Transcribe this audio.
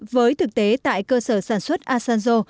với thực tế tại cơ sở sản xuất asanjo